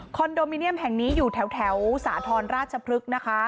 โดมิเนียมแห่งนี้อยู่แถวสาธรณราชพฤกษ์นะคะ